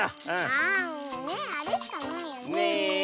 あもうねあれしかないよねえ。